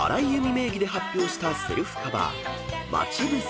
名義で発表したセルフカバー『まちぶせ』］